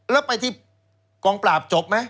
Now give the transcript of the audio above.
แล้วไปที่กองปราบจบไหม